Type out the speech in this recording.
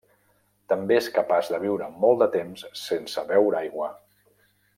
També és capaç de viure molt de temps sense beure aigua.